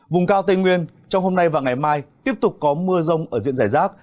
vùng cao tây nguyên trong hôm nay và ngày mai tiếp tục có mưa rông ở diện giải rác